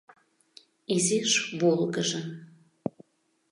Изиш волгыжын.